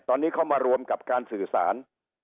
ตอนนี้เขามารวมกับการสื่อสาร